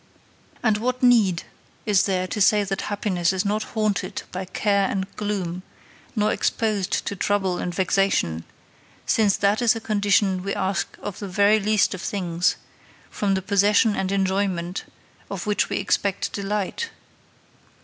And what need is there to say that happiness is not haunted by care and gloom, nor exposed to trouble and vexation, since that is a condition we ask of the very least of things, from the possession and enjoyment of which we expect delight?